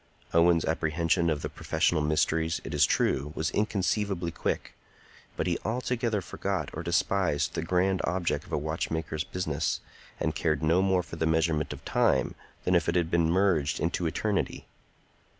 Owen's apprehension of the professional mysteries, it is true, was inconceivably quick; but he altogether forgot or despised the grand object of a watchmaker's business, and cared no more for the measurement of time than if it had been merged into eternity.